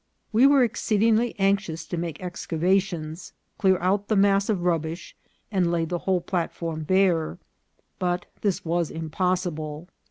We were exceedingly anxious to make excavations, clear out the mass of rubbish, and lay the whole platform bare ; but this was impossible.